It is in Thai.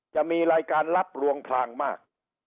จะมีรายการรับลวงพลางมาก